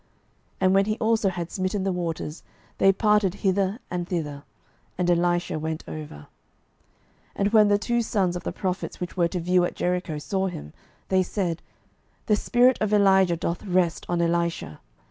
and when he also had smitten the waters, they parted hither and thither: and Elisha went over. 12:002:015 And when the sons of the prophets which were to view at Jericho saw him, they said, The spirit of Elijah doth rest on Elisha.